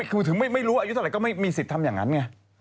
คือถึงไม่รู้อายุเท่าไหรก็ไม่มีสิทธิ์ทำอย่างนั้นไง